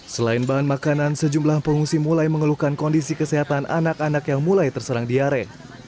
selain bahan makanan sejumlah pengungsi mulai mengeluhkan kondisi kesehatan anak anak yang mulai terserang diare